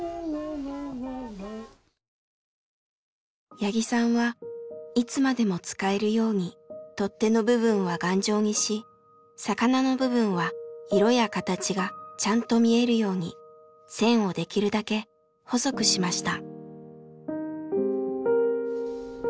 八木さんはいつまでも使えるように取っ手の部分は頑丈にし魚の部分は色や形がちゃんと見えるように線をできるだけ細くしました。